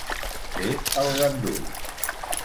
Fer el gandul.